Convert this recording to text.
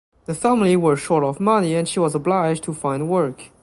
The family were short of money and she was obliged to find work.